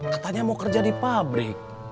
katanya mau kerja di pabrik